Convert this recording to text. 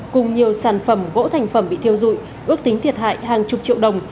cùng nhiều sản phẩm gỗ thành phẩm bị thiêu dụi ước tính thiệt hại hàng chục triệu đồng